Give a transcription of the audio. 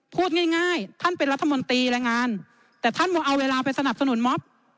พูดง่ายท่านเป็นรัฐมนตรีแรงงานแต่ท่านมาเอาเวลาไปสนับสนุนม็อบ